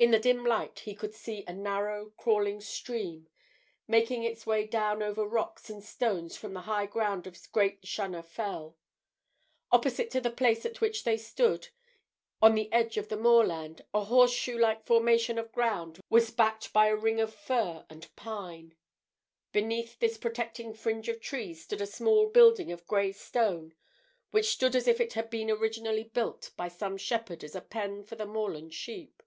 In the dim light he could see a narrow, crawling stream, making its way down over rocks and stones from the high ground of Great Shunnor Fell. Opposite to the place at which they stood, on the edge of the moorland, a horseshoe like formation of ground was backed by a ring of fir and pine; beneath this protecting fringe of trees stood a small building of grey stone which looked as if it had been originally built by some shepherd as a pen for the moorland sheep.